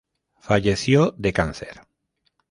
Falleció de cáncer.